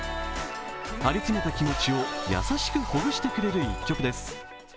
張り詰めた気持ちを優しくほぐしてくれる一曲です。